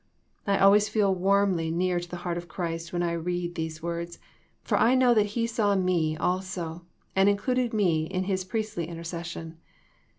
I always feel warmly near to the heart of Christ when I read these words, for I know that He saw me also, and included me in His priestly intercession.